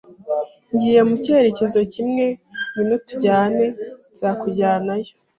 Ngiye mu cyerekezo kimwe. Ngwino tujyane. Nzakujyanayo.